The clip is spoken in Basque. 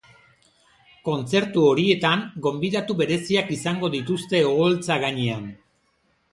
Kontzertu horietan, gonbidatu bereziak izango dituzte oholtza gainean.